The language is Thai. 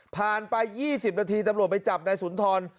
ผ่านไปยี่สิบนาทีดำลวงไปจับในสวนทร